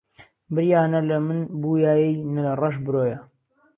بریا نه له من بویایهی نه له ڕهش برۆيه